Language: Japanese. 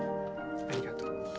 ありがとう。